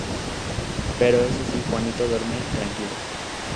Pero eso sí, Juanito duerme tranquilo.